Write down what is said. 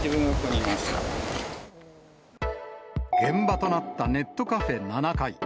現場となったネットカフェ７階。